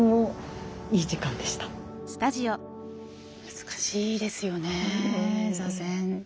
難しいですよね座禅。